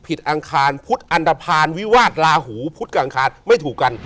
พุทธกับอังคารไม่ถูกกันคนเกิดลาศรีกัณฑ์มีดาวพุทธเป็นดาวประจำตัว